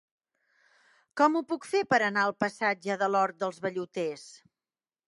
Com ho puc fer per anar al passatge de l'Hort dels Velluters?